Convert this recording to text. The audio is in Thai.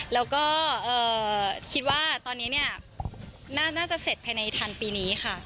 แล้วก็คิดว่าตอนนี้เนี่ยน่าจะเสร็จภายในทันปีนี้ค่ะ